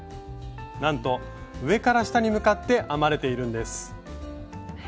なんと上から下に向かって編まれているんです。